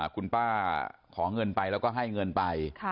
คุณป้าขอเงินไปแล้วก็ให้เงินไป